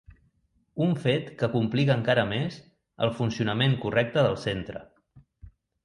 Un fet que complica encara més el funcionament correcte del centre.